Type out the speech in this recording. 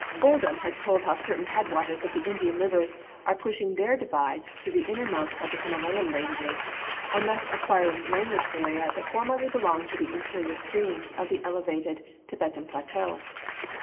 Oldham has told how certain headwaters of the In dian rivers are pushing their divides through the innermost of the Himalayan ranges, and thus acquiring drainage area that formerly Ijelonged to the interior streams of the elevated Thi betan plateau.